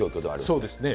そうですね。